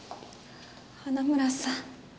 花村さん。